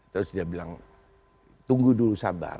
terus dia bilang tunggu dulu sabar